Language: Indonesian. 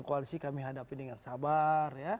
koalisi kami hadapi dengan sabar